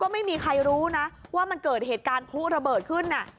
ไม่มีใครรู้นะว่ามันเกิดเหตุการณ์พลุระเบิดขึ้น